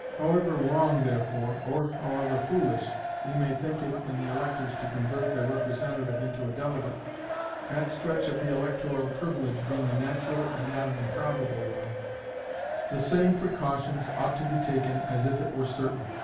However wrong, therefore, or however foolish, we may think it in the electors to convert their representative into a delegate, that stretch of the electoral privilege being a natural and not improbable one, the same precautions ought to be taken as if it were certain.